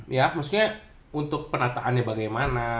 ya maksudnya untuk penataannya bagaimana